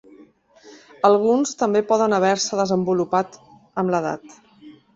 Alguns també poden haver-se desenvolupat amb l'edat.